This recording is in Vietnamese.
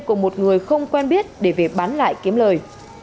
của một người không quen biết để về bán lại kiếm lời